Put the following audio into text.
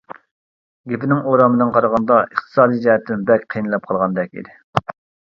گېپىنىڭ ئورامىدىن قارىغاندا ئىقتىسادىي جەھەتتىن بەك قىينىلىپ قالغاندەك ئىدى.